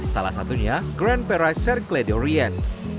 salah satunya grand perai serklede orient